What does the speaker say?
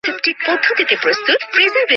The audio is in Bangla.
সেই দুর্ভিক্ষের সময় ঐ রুমালখানি বড়ো কাজে লাগবে।